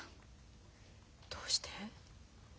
どうして？